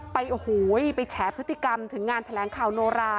โอ้โหไปแฉพฤติกรรมถึงงานแถลงข่าวโนรา